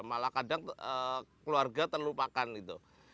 malah kadang keluarga terlupakan gitu